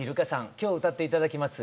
今日歌って頂きます